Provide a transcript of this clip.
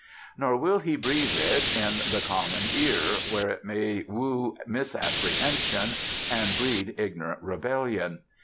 Nor will he breathe it in the common ear, where it may woo misapprehensions, and breed ignorant rebellion.